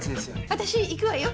私行くわよ。